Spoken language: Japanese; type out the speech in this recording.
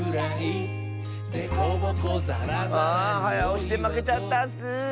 おしでまけちゃったッス！